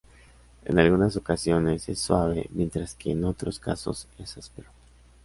En algunas ocasiones es suave mientras que en otros casos es áspero.